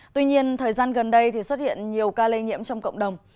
tuy nhiên thời gian gần đây xuất hiện nhiều ca lây nhiễm trong cộng đồng